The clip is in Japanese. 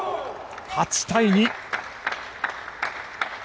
８対２。